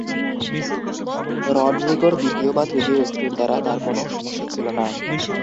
রডরিগোর দ্বিতীয় বা তৃতীয় স্ত্রীর দ্বারা তার কোনো সমস্যা ছিল না।